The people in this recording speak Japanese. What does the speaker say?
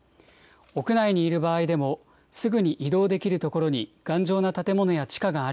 屋内にいる場合でも、すぐに移動できる所に頑丈な建物や地下があ